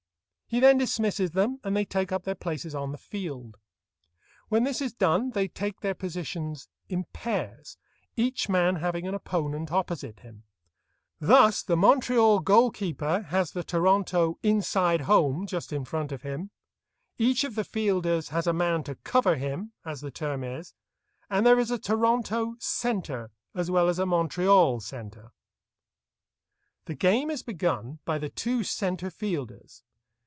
He then dismisses them, and they take up their places on the field. When this is done they take their positions in pairs, each man having an opponent opposite him. Thus the Montreal goal keeper has the Toronto "inside home" just in front of him; each of the fielders has a man to "cover" him, as the term is, and there is a Toronto "centre" as well as a Montreal centre. The game is begun by the two centre fielders.